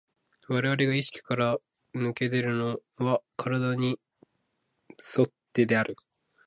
我々が意識から脱け出るのは身体に依ってである。